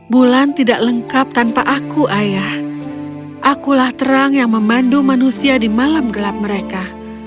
bulan tidak lengkap tanpa aku ayah akulah terang yang memandu manusia di malam gelap mereka